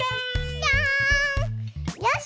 よし！